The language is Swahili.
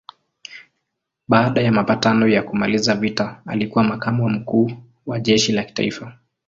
Baada ya mapatano ya kumaliza vita alikuwa makamu wa mkuu wa jeshi la kitaifa.